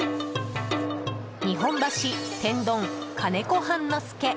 日本橋天丼金子半之助。